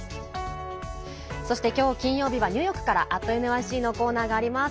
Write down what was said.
そして今日、金曜日はニューヨークから「＠ｎｙｃ」のコーナーがあります。